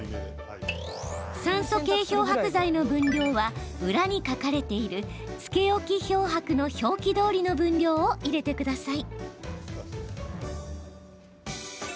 酸素系漂白剤の分量は裏に書かれているつけ置き漂白の表記どおりの分量を入れてください。